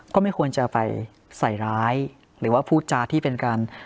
ก็ไม่ควรจะไปใส่ร้ายหรือว่าพูดจาที่เป็นการ